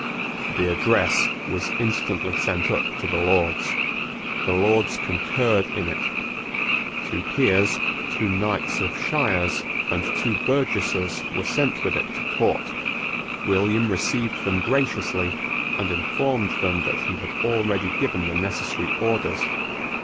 The address was instantly sent up to the Lords. The Lords concurred in it. Two peers, two knights of shires, and two burgesses were sent with it to Court. William received them graciously, and informed them that he had already given the necessary orders.